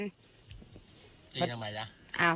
ตีทำไมล่ะ